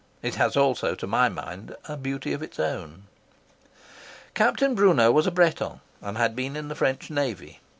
It has also to my mind a beauty of its own. Captain Brunot was a Breton, and had been in the French Navy.